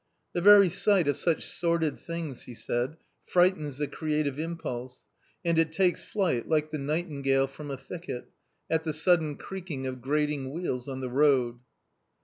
" The very sight of such sordid things," he said, "frightens the creative impulse, and it takes flight like the nightingale from a thicket, at the sudden creaking of grating wheels on the road."